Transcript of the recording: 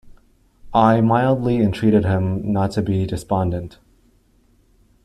I mildly entreated him not to be despondent.